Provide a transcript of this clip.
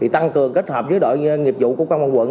tăng cường kết hợp với đội nghiệp vụ của công an quận